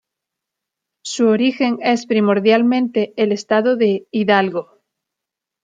Su origen es primordialmente el Estado de Hidalgo.